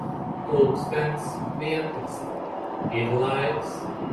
Pulkstens vienpadsmit. Ir laiks.